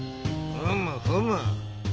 ふむふむ。